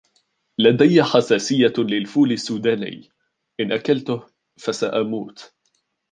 لديّ حساسيّة للفول السّوداني. إن أكلته، فسأموت.